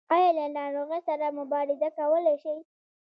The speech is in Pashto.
ایا له ناروغۍ سره مبارزه کولی شئ؟